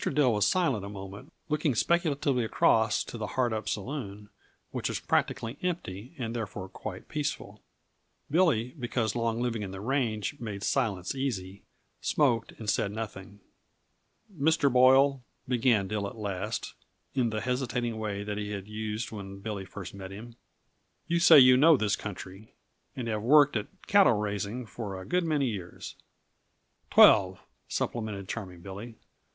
Dill was silent a minute, looking speculatively across to the Hardup Saloon which was practically empty and therefore quite peaceful. Billy, because long living on the range made silence easy, smoked and said nothing. "Mr. Boyle," began Dill at last, in the hesitating way that he had used when Billy first met him, "you say you know this country, and have worked at cattle raising for a good many years " "Twelve," supplemented Charming Billy.